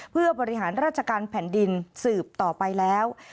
เพื่อบริหารราชการแผ่นดินสืบต่อไปแล้ว